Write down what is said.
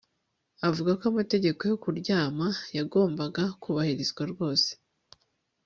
avuga ko amategeko yo kuryama yagombaga kubahirizwa rwose